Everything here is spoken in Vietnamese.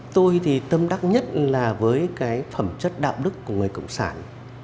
tôi thì tâm đắc nhất là với cái phẩm chất đạo đức của người cộng sản